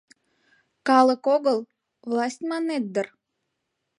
— Калык огыл, власть маннет дыр?